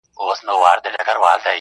• د مسجد لوري، د مندر او کلیسا لوري.